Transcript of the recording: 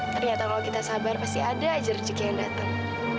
ternyata kalau kita sabar pasti ada aja rezeki yang datang